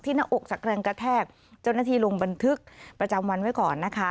หน้าอกจากแรงกระแทกเจ้าหน้าที่ลงบันทึกประจำวันไว้ก่อนนะคะ